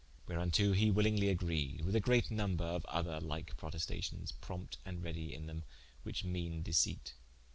Whereunto hee willingly agreed, with a great nomber of other like protestations, prompte and redy in them which meane deceipt.